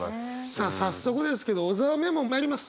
さあ早速ですけど小沢メモまいります。